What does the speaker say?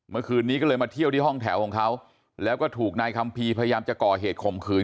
เมื่อคืนนี้ก็เลยมาเที่ยวที่ห้องแถวของเขาแล้วก็ถูกนายคัมภีร์พยายามจะก่อเหตุข่มขืน